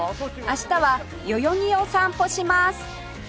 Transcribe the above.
明日は代々木を散歩します